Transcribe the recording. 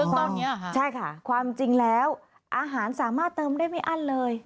ตอนนี้ใช่ค่ะความจริงแล้วอาหารสามารถเติมได้ไม่อั้นเลย